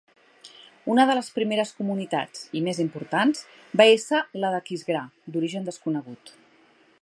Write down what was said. Una de les primeres comunitats, i més importants, va ésser la d'Aquisgrà, d'origen desconegut.